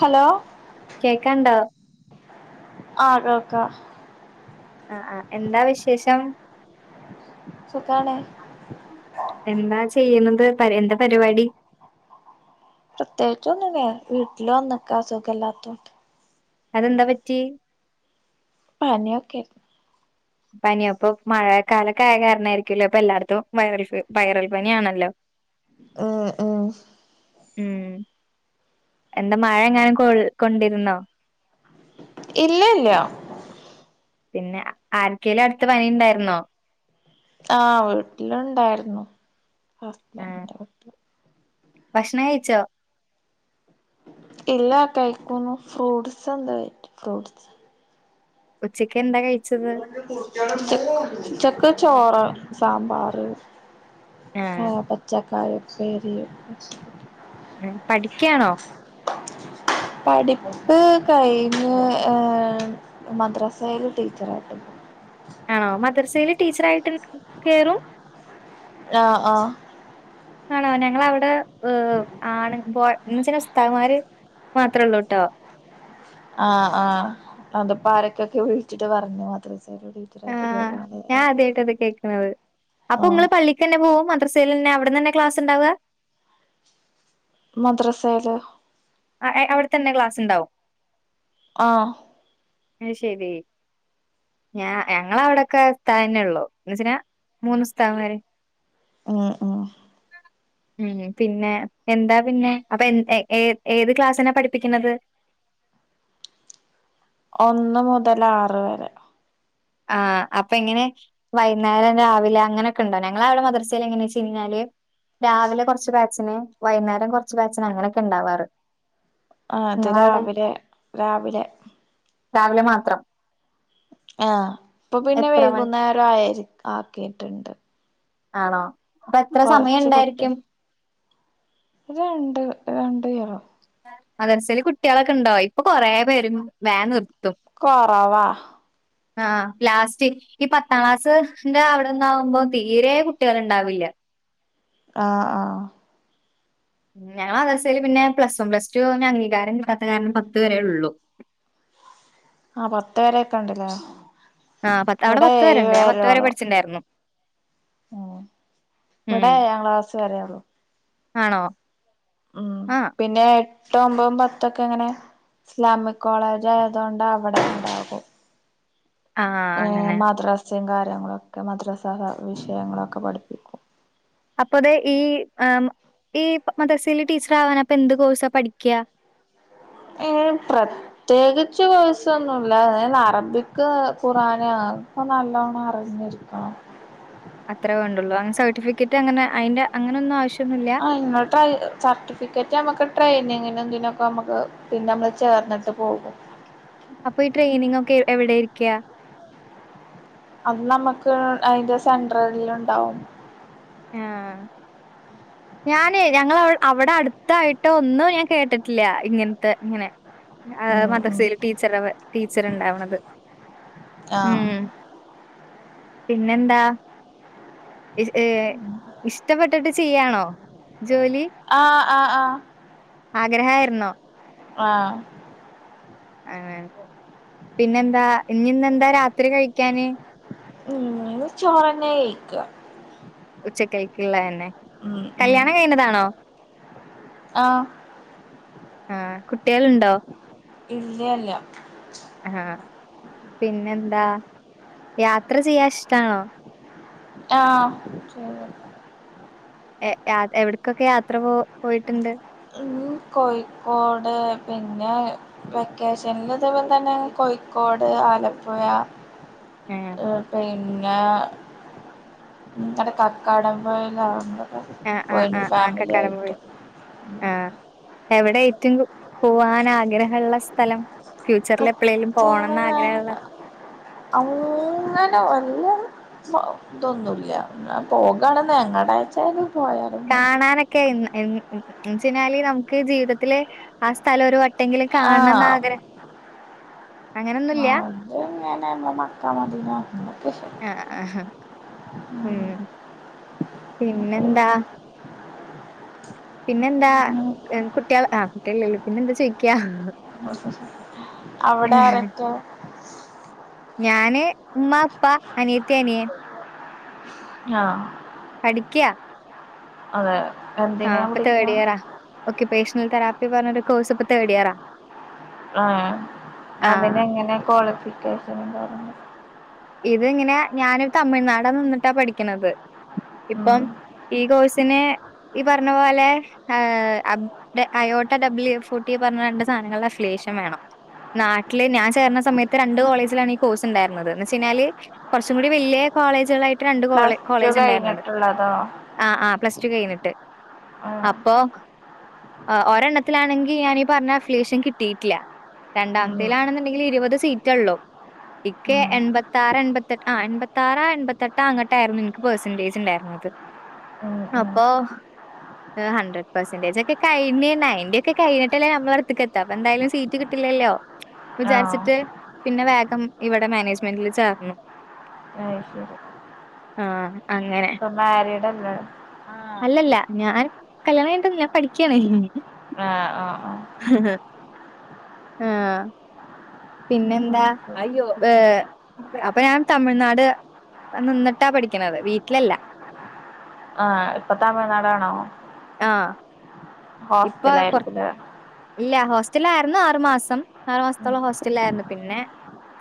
Hello കേക്കാണ്ടോ ആ കേൾക്ക ആഹ് ആഹ് എന്താ വിശേഷം സുഖാണ് ത് പരി എന്താ പരിപാടി പ്രത്യേകിച്ചൊന്നുല്ല വീട്ടില് വന്ന്ക്ക സുഖല്ലാത്തോണ്ട് അതെന്താ പറ്റി പനി ഒക്കെ പനി അപ്പൊ മഴക്കാലൊക്കെ ആയ കാരണായിരിക്കുല്ലേ ഇപ്പൊ എല്ലാർത്തും വൈറൽ ഫ്യൂ വൈറൽ പനി ആണല്ലോ ആഹ് ആഹ് ഉം എന്താ മഴ എങ്ങാനും കൊൾ കൊണ്ടിരുന്നോ ഇല്ല ഇല്ല്യ പിന്നെ ആർക്കേലും അടുത്ത് പനി ണ്ടായിരുന്നോ ആഹ് വീട്ടിലുണ്ടായിരുന്നു ആ ഹസ്ബന്റിന്റെ വീട്ടില് ഭക്ഷണം കഴിച്ചോ ഇല്ല കഴിക്കണം ഫ്രൂട്ട്സ് ന്തേ ഫ്രൂട്ട്സ് ഉച്ച ഉച്ചക്ക് ചോറ് സാമ്പാറ് ആ പച്ച കായുപ്പേരി പഠിക്ക്യാണോ പഠിപ്പ് കഴിഞ്ഞ് ഏ മദ്രസയിൽ ടീ ച്ചറായിട്ട് ദ്രസയില് ടീച്ചറായിട്ട് കേറും ആ ആ ആണോ ഞങ്ങളവിടെ ഏ ആണ് പോ ന്ന്ച്ച ഉസ്താദ്മാര് മാത്രേ ള്ളൂ ട്ടോ ആ ആ അത്പ്പോ ആരൊക്കൊക്കെ വിളിച്ചിട്ട് പറഞ്ഞു മദ്രസ് ആ ഞാൻ ആദ്യായിട്ട ഇത് കേക്ക്‌ണത് അപ്പൊ ആഹ് ഇങ്ങള് പള്ളിക്ക് ന്നെ പോകും മദ്രസ് സേല് അവിട്ന്നെന്നെ ക്ലാസ് ണ്ടാവ മദ്രസല് ആ അവിടെത്തന്നെ ക്ലാസ്സ് ണ്ടാവും ആ അത് ശെരി ഞ ഞങ്ങവിടെക്കെ ഉസ്താദ്ന്നെ ള്ളു എന്ന് [unintelligible] മൂന്ന് ഉസ്താദ്മാര് ആ ആ ഉം പിന്നെ എന്താ പിന്നെ അപ്പൊ എ ഏ ഏത് ക്ലാസ് ന പഠിപ്പിക്കുന്നത് ഒന്ന് മുതൽ ആറ് വരെ ആ അപ്പ എങ്ങനെ വൈകുന്നേരം രാവിലെ അങ്ങനെയൊക്കെ ണ്ടോ ഞങ്ങളവിടെ മദ്രസേൽ എങ്ങനെ വെച്ച് കഴിഞ്ഞാല് രാവിലെ കൊറച്ച് കാ ച്ച്ണ് വൈന്നേരം കൊറച്ച് കാച്ചണ് അങ്ങനെക്കെ ഇണ്ടാവാറ് ആ അത് നിങ്ങളവിടെ രാവിലെ രാവിലെ രാവിലെ മാത്രം ആഹ് ഇപ്പോ പിന്നെ എത്ര മണി വൈകുന്നേരം ആയരിക് ആക്കിട്ടുണ്ട് ആണോ അപ്പ എത്ര സമയം കുട്ടി ഇണ്ടായിരിക്കും രണ്ട് രണ്ട് കീറോ മദരസേല് കുട്ടിളൊക്കെ ഇണ്ടോ ഇപ്പൊ കൊറേ പേരും വേം നിർ കൊറവാ ആഹ് ലാസ്റ്റ് ഈ പത്താം ക്ലാസ്സ് ന്റെ അവിടൊന്നാവുമ്പോ തീരെ കുട്ടികള് ഇണ്ടാവില്ല ആഹ് ആഹ് ഉം ഞങ്ങള മദ്രാസേല് പിന്നെ പ്ലസ് വൺ പ്ലസ് ടു ന് അംഗീകാരം കിട്ടാത്ത കാരണം പത്ത് വരെള്ളു ആഹ് പത്ത് വരെക്കെ ഇണ്ടല്ലേ ആഹ് പത്ത് അവടെ പത്ത് വരെണ്ട് ഞാൻ പത്തു വരെ പഠിച്ചിണ്ടേർന്നു ഉം ഉം ഇവടെ ഏഴാം ക്ലാസ സ്സ് വരെള്ളൂ ആണോ ഉം ആഹ് പിന്നെ എ ട്ടും ഒമ്പതും പത്തൊക്കെ ങ്ങനെ ഇസ്ലാമിക് കോളേജായതോണ്ട് അവടെ ഇണ്ടാകും ആഹ് അങ്ങനെ സെം കാര്യങ്ങളൊക്കെ മദ്രസ ഹ വിഷയങ്ങളൊക്കെ പഠിപ്പിക്കും അപ്പൊതെ ഈ എ് ഈ മദരസേല് ടീച്ചർ ആവാൻ അപ്പൊ എന്ത് കോഴ്സാ പഠിക്ക ഏയ് പ്രത്യേകിച്ച് കോഴ്സൊന്നുല്ല അയ് അറബിക് ഖുറാന് ആ ക്കെ നല്ലോണം അറിഞ്ഞിരിക്കണം അത്രേ വേണ്ടുള്ളൂ അങ്ങനെ സർട്ടിഫിക്കറ്റ് അങ്ങനെ അയിന്റെ അങ്ങനൊന്നും ആവശ്യ ആഹ് ഇങ്ങൾടായി സർട്ടിഫിക്കറ്റ് അമ്മുക്ക് ട്രെയിനി അയിനും ഇതിനൊക്കെ നമ്മുക്ക് പിന്നെ മ്മള് ചേർന്നിട്ട് പോകും അപ്പൊ ഈ ട്രെയിനിങ് ഒക്കെ എ എവിടെ ഇരിക്കാ അത് നമ്മുക്ക് അതിന്റെ സെൻട്രലിൽ ഉണ്ടാവും ഞാനെ ഞങ്ങള അവി അവിടെ അടുത്തായിട്ട് ഒന്നും ഞാൻ കേട്ടിട്ടില്ല ഇങ്ങനത്തെ ഇങ്ങനെ ഏഹ് ഉം ഉം മദ്രസേല് ടീച്ചറാവാ ടീച്ചർണ്ടാവണത് ആഹ് ഉം പിന്നെന്താ ഏഹ് ഇഷ്ടപ്പെട്ടിട്ട് ചീയ്യാണോ ആഹ് ആഹ് ആഹ് ആഗ്രഹായിരുന്നോ ആഹ് അങ്ങനെ പിന്നെന്താ ഞിന്നെന്താ രാത്രി കഴിക്കാന് ഉം ങ്ങള് ചോറെന്നെ കയിക്ക ഇള്ളെന്നെ ഉം കല്യാണം കഴഞ്ഞതാണോ [unintelligible] ആഹ് ആ കുട്ട്യാൾണ്ടോ ഇല്ലല്ല ആ പിന്നെന്താ യാത്ര ചെയ്യാഷ്ടാണോ ആ [unintelligible] എ യാ എവിട്ക്കൊക്കെ യാ ഉം കോഴിക്കോട് പി പിന്നെ വെക്കേഷൻല് ഇതേപോലെതന്നെ കോഴിക്കോട് ആലപ്പുഴ ആഹ്. പെയിൻ ങ്ങാ ഉം അടെ കക്കാടം പോയേലാളുണ്ട് ആ ആആ ആ കക്കാടം പോയേക്ക് ആ എവടെ ഏറ്റും പോവാൻ ആഗ്രഹള്ള സ്ഥലം ഫ്യൂച്ചറിൽ എപ്പളെലും പോണന്ന് ആഗ്രഹള്ള പ്പ തൊന്നുല്ല ന്നാ പോകാണ്ന്ന് എങ്ങടെച്ചാല് കാണാനൊക്കെ എൻ എൻ ന്നെച്ചയ്ഞ്ഞാൽ നമുക്ക് ജീവിതത്തില് ആ സ്ഥലം ഒരു വട്ട എങ്കിലും കാണന്ന് ആഗ്രഹം അത്ങ്ങനെ മ്മളെ മക്കാ മദീന ആഹ് ഉം [unintelligible] പിന്നെന്താ പിന്നെന്താ ആ കുട്ട്യാള് ആ കുട്ട്യാളില്ലല്ലോ പിന്നെ എന്താ ചോയിക്കാ അവിടെ [inaudible] ഞാന് മ്മാ പ്പാ അനിയത്തി തേനിയ ആ ഇക്കിയാ അതെ ആ എന്തിനാ പ്പ വിളിക്കാ തേടിയറാ ഒക്കിപ്പേഷണൽ തറാപ്പ്‌ ത്യം പറഞ്ഞാന്റെ കോയിസ് തേടിയാറാ ആ അതിനങ്ങനെ കൊളിഫി കേശവന്താ പറയുന്നേ ഇത് ഇങ്ങനെ ഞാന് തമിഴ്നാട് നിന്നിട്ടാ പഠിക്ക്ണന്നത് ഇപ്പം ഉം ഈ കോയ്സ് പിന്നെ ഈ പറഞ്ഞ പോലെ ഏ അബ്ടെ അയോട്ട ഡബ്ല്യ ഫോട്ടി പറഞ്ഞ രണ്ട് സാധനങ്ങള്ടെ അഫ്ലിയേഷൻ വേണം നാട്ടില് ഞാൻ ചേരണ സമയത്ത് രണ്ട് കോളജിലാണ് കോഴ്സ്ണ്ടായി ന്നതന്നെ ച്ച്ക്കഴിഞ്ഞാല് കുറച്ചും കൂടി വലിയ കോളേജുകളായി രണ്ട് കോളേ പ്ലസ് ടു കോളേജ് ഉണ്ടായിരുന്നത് കഴിഞ്ഞിട്ടുള്ളതോ ആ ആ പ്ലസ് ടു കഴിഞ്ഞിട്ട് ആ അപ്പോ ഒരെണ്ണത്തിലാണെങ്കി ഞാനീ പറഞ്ഞ അഫിലിയെഷൻ കിട്ടിയിട്ടില്ല ഉം രണ്ടാമത്തെലാണെന്നുണ്ടെങ്കിൽ ഇരുപത് സീറ്റെ ഉള്ളൂ ഇക്കെ ഉം എൺപ ത്തറ് എൺപത്തെട്ട ആ എൺപത്തറ് എൺപത്തെട്ട അങ്ങോട്ട ആയിരുന്നു എനക്ക് പെർസെന്റേജ് ഉണ്ടായി ആ അത് ഉം ഉ ഹഡ്രഡ് പെർസെന്റജ് ഒക്കെ കഴിഞ്ഞ് നയന്റി ഒക്കെഴിഞ്ഞിട്ടല്ലേ നമ്മളാടുതേക്കെത്ത അപ്പൊ എന്തായാലും സീറ്റ് കിട്ടില്ലല്ലോ ആ വിചാരിച്ചിട്ട് പിന്നെ വേഗം ഇവിടെ മാനേജ്മെന്റിൽ ചേർ മ അയി ശരി ആഹ് അങ്ങനെ ഇപ്പൊ മാരീഡല്ലേ ആ അല്ലല്ല ഞാൻ കല്യാണം കഴിഞ്ഞ്ട്ടൊന്നുല്ല ഞാൻ പഠിക്കുകാണ് ആഹ ആ ഹഹ് ആ പിന്നെ എന്താ ഓക്കെ. അയ്യോ ബെ അപ്പൊ ഞാൻ തമിഴ്നാട് നിന്നിട്ടാ പഠിക്കണത് വീട്ടിലല്ല ആഹ ഇപ്പ തമഴനാടാണോ ആഹ ഹോസ്റ്റലാരിക്കും അല്ലേ ഇല്ല ഹോസ്റ്റലാരുന്നു ആറു മാസം ആറ് ഉം മാസത്തോളം ഹോസ്റ്റലായിരുന്നു പിന്നെ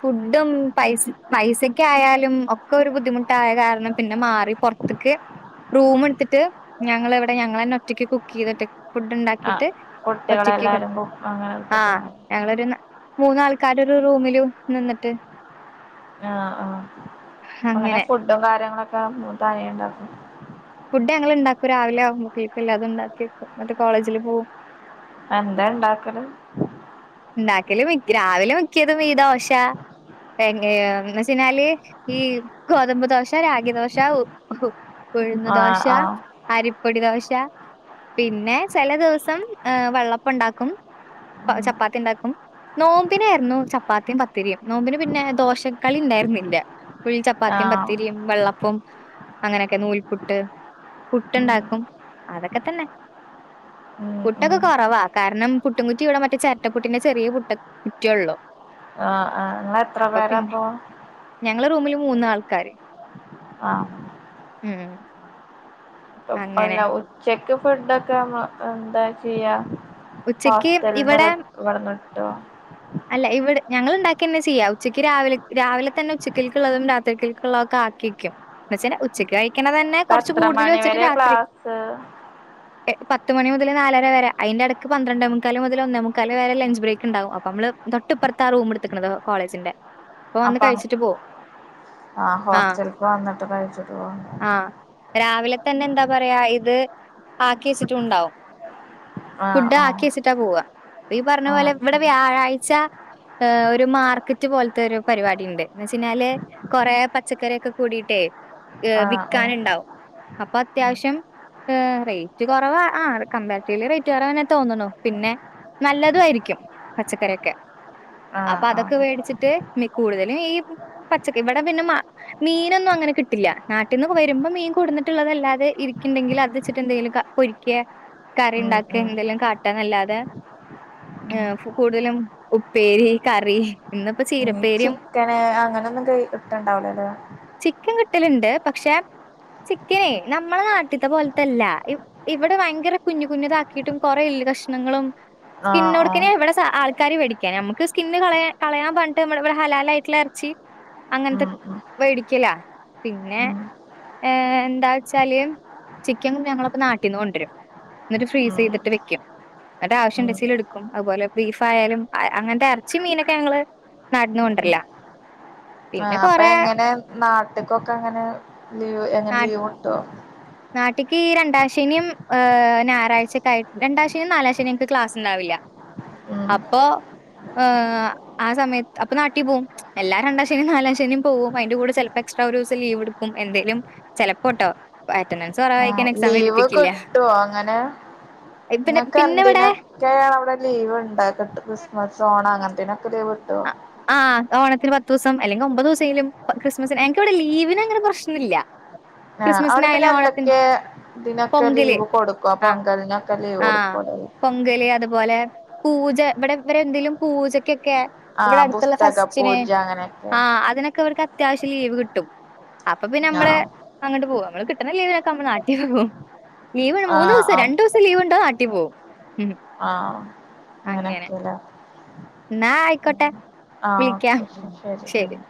ഫുഡും പൈസ പൈസക്ക ആയാലും ഒക്കെ ഒരു ബുദ്ധിമുട്ടായ കാരണം പിന്നെ മാറി പുറത്തേക്ക് റൂമെടുത്തിട്ട് ഞങ്ങൾ ഇവിടെ ഞങ്ങൾ തന്നെ ഒറ്റക്ക് കുക്ക് ചെയ്ത ഒറ്റക്ക് ഫുഡ് ഉണ്ടാക്കിട്ട് കുട്ടികളെ ഒറ്റക്കൊക്കെ എല്ലാർക്കും അങ്ങനെ എടുത്തിട്ടുണ്ടവും മൂന്നാൾക്കാരോരു റൂമിലും നിന്നിട്ട് ആഹ് ആ അങ്ങനെ ഫുഡും കാര്യങ്ങളൊക്കെ താനേണ്ടാക്കും ഫുഡ് ഞങ്ങൾ ഉണ്ടാക്കും രാവിലെ ആവുബോകിൻ അത് ഉണ്ടാക്കി വെക്കും എന്നിട്ട് കോളേജിൽ പോവും എന്താ ഇണ്ടാക്കൽ ഉണ്ടാക്കൽ മിക്ക രാവിലെ മിക്കിയതും ഈ ദോശ എ എന്ന് വെച്ച കഴിഞ്ഞാൽ ഈ ഗോതമ്പ് ദോശ രാഗി ദോശ ഉ ഉ ഉഴുന്ന് ആഹ് ദോശ ആഹ് അരിപ്പൊടി ദോശ പിന്നെ ചില ദിവസം ആ വെള്ളേപ്പം ഉണ്ടാക്കും ഉം ചപ്പാത്തി ചപ്പാത്തി ഉണ്ടാക്കും നോമ്പിനായിരുന്നു ചപ്പാത്തിയും പത്തിരിയും നോമ്പിന് പിന്നെ ദോശക്കളി ഉണ്ടായിരുന്നില്ല എപ്പോഴും ചപ്പാത്തിയും ആഹ് പത്തിരിയും വെള്ളം ട്ടും അങ്ങനൊക്കെ നൂൽ പുട്ട് പുട്ടുണ്ടാക്കും അതൊക്കെ തന്നെ ഉം ഉം പുട്ടൊക്കെ ഉം കൊറവാ കാരണം പുട്ടുംകുറ്റി ഇവിടെ മറ്റേ ചെരട്ട പ്പുട്ടിന്റെ ചെറിയ പുട്ട് കുറ്റിയുള്ളൂ ഇങ്ങൾ എത്ര പേരാപ്പോ ഞങ്ങളെ റൂമില് മൂന്നാൾക്കാര് ആ മ് അല്ല ഉച്ചയ്ക്കും ഫുഡൊക്കെ മ എന്താ ചെയ്യാ ഉച്ചയ്ക്ക് ഹോസ്റ്റലന്നെ ഇവിടെ കഴിക്കും ട്ടോ അല്ല ഇവിടെ ഞങ്ങൾ ഉണ്ടാക്കി തന്നെ ചെയ്യാ ഉച്ചയ്ക്ക് രാവിലെ രാവിലെ തന്നെ ഉച്ചക്കത്തേക്കു ള്ളതും രാത്രീക്കേൽക്കുള്ളതൊക്കെ ആക്കി വക്കും വെച്ചാൽ ഉച്ചക്കായി ഇക്കണെ തന്നെ ഇപ്പ കുറച്ച് എത്ര കൂടുതൽ മണി വെച്ചിട്ട് വരെ രാത്രി ക്ലാസ് പത് ത്തുമണി മുതല് നാലരവരെ അതിന്റെടക്ക് പന്ത്രണ്ടേ മുക്കാൽ മുതൽ ഒന്ന മുക്കാല് വരെ ലഞ്ച് ബ്രേക്ക് ണ്ടാവും അപ്പമ്മള് തൊട്ട്പ്രത്താ റൂമെടുത്തേക്ക്ണത് കോളേജിന്റെ അപ്പൊ വന്ന് അപ്പം കഴിച്ചിട്ട് പോവും. ആഹ് ഹോസ്റ്റല്ക്ക് വന്നിട്ട് കഴിച്ചിട്ട് പോ [unintelligible] തന്നെന്താ പറയാ ഇത് ആക്കി വെച്ചിട്ടുമുണ്ടാവും ആഹ് ഫുഡ് ആഹ് ആക്കി വെച്ചിട്ടാ പോവുക ഈ പറഞ്ഞ പോലെ ആഹ് ഇവിടെ ശരി വ്യാഴാഴ് ഏഹ് ഒരു മാർക്കറ്റ് പോല്ത്തൊരു പരിപാടി ണ്ട് എന്ന് വെച്ചഴിഞ്ഞാല് കൊറെ പച്ചക്കറിയൊക്കെ കൂടിട്ടേ ഏഹ് ആഹ് ഓ വിക്കാനുണ്ടാവും അപ്പോ ഉം. അത്യാവശ്യം റേറ്റ് കൊറവാ ആഹ് കബാരറ്റീവിലി റേറ്റ് കുറവാന്നെ തോന്നണു പിന്നെ നല്ലതു ആരിക്കും പച്ചക്കറിക്കെ ആഹ് അപ്പാ ആഹ് അതൊക്കെ വേടിച്ചിട്ട് മിക് കൂടുതലും ഈ പച്ചക്കെ ഇവടെ പിന്നെ മ മീനൊന്നും അങ്ങനെ കിട്ടില്ല നാട്ടീന് വരുമ്പോ മീൻ കൊടുന്നിട്ടുള്ളതല്ലാതെ ഇരിക്കണ്ടെങ്കി അത് വെച്ചിട്ട് എന്തെങ്കിലും പൊരിക്ക കറി ഉം ഇണ്ടാക്കുക ഉം എന്തേലും കാട്ടുകാന്നല്ലാതെ ഉം ഏഹ് കൂടുതലും ഉപ്പേരി കറി ഇന്ന് ചിക്കന് അങ്ങനോന്നും കയീട്ടുണ്ടാവില്ലല്ലോ നാട്ടിലിണ്ട് പക്ഷെ ചിക്കനേ നമ്മളെ നാട്ടിലത്തെ പോലല്ല ഇവിടെ ഭയങ്കര കുഞ്ഞു കുഞ്ഞുതാക്കിയിട്ടും കൊറേ എല്ല് കഷണങ്ങളും ആഹ് ആഹ് സ്കിന്നൊടിക്കണേ ഇവിടെ സ ആ കറി മേടിക്കും [unintelligible] നമ്മക്കെ സ്കിന്നു കളയാൻ കളയാൻ പറഞ്ഞിട്ട് നമ്മ ഇവിടെ ഹലാലായിട്ടുള്ള എറച്ചി അങ്ങനത്തെ ഉം ഉം മേടിയ്ക്കലാ പിന്നെ ഉം ഏഹ് എന്താ വച്ചാല് ചിക്കൻ ഞങ്ങളപ്പോ നാട്ടീന്ന് കൊണ്ടുവരും എന്നിട്ട് ഫ്രീസ് ഉം ചെയ്തിട്ട് വെയ്ക്കും അന്നിട്ട് ഉം ആവശ്യണ്ടചാലു എടുക്കും എടുക്കും അതുപോലെ ബീഫായാലും ആഹ് അങ്ങനത്തെ എറച്ചി മീനൊക്കെ ഞങ്ങള് നാട്ടീന്നു കൊണ്ടു ഉം. വരലാ ആഹ് അപ്പ എങ്ങനെ നാട്ടിക്കൊക്കെ അങ്ങനെ ലീവ് എങ്ങനെ നാ ലീവ് കിട്ടുവോ നാട്ടിക്ക് ഈ രണ്ടാം ശനി ഏഹ് ഞായറാഴ്ചക്കായി രണ്ടാം ശനി നാലാം ശനി നിക്ക് ക്ലാസ് ഉണ്ടാവില്ല ഉം അപ്പൊ ഏഹ് ആ സമയത്ത് അപ്പൊ നാട്ടി പോവും എല്ലാ രണ്ടാം ശനിയും നാലാം ശനിയും പോവും അതിന്റെ കൂടെ ചിലപ്പോ എക്സ്ട്രാ ഒരു ദിവസം ലീവ് എടുക്കും എന്തേലും ചെലപ്പോ ട്ടോ [unintelligible] ലീവ് കിട്ടുവോ അങ്ങനെ പിന്നെ നിങ്ങക്ക് പിന്നെ ഇവിടെ എന്തിനൊക്കെയാ അവിടെ ലീവ് ഉണ്ടാകു ക്രിസ്മസ് ഓണ അങ്ങനത്തേനൊക്കെ ലീവ് കിട്ടുവോ അ ആ ഓണത്തിന് പത്ത് ദിവസം അല്ലെങ്കിൽ ഒമ്പത് ദിവസേലും ക്രിസ്മസിനെ എനയ്ക്കിവിടെ ലീവിന് അങ്ങനെ പ്രശനില്ല ആഹ് അവടെ പിന്നെ എന്തൊക്കെ ഇതിനൊക്കെ പൊങ്കല് ലീവ് കൊടുക്കും ആ പൊങ്കലിനൊക്കെ ലീവ് ആഹ്. കൊടുക്കുവല്ലേ പൊങ്കല് അതുപോലെ പൂജ ഇവിടെ ഇവരെ എന്തെങ്കലും പൂജക്ക് പൂജക്ക്‌ ഇവിടെ ആഹ് അടുത്തുള്ള പുസ്തക ഫെസ്റ്റിന് പൂജ അങ്ങനെയൊക്കെ ആഹ് അതിനൊക്കെ ഇവർക്ക് അത്യാവശ ലീവ് കിട്ടും അപ്പൊ പിന്ന നമ്മള് ആഹ് അങ്ങോട്ട് പോവാ നമ്മള് കിട്ടണ ലീവിനൊക്കെ അമ്മള് നാട്ടി പോവും ലീവ് മൂന്ന് ആഹ് ദിവസം ആഹ് രണ്ട് ദിവസം ലീവ് ഉണ്ടോ നാട്ടി പോവും ഉം ആഹ് അങ്ങനെ. അങ്ങനെയൊക്കെലേ എന്നാ ആയിക്കോട്ടെ ആഹ് വിളിക്കാം ഓക്കെ ശരി മ്ഹ്